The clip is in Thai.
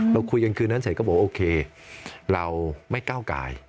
เราคุยกันคืนนั้นเสร็จก็บอกโอเคเราไม่ก้าวกาย